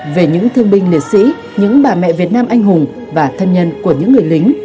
về những thương binh liệt sĩ những bà mẹ việt nam anh hùng và thân nhân của những người lính